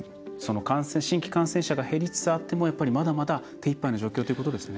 新規感染者が減りつつあっても、まだまだ手いっぱいの状況ということですね。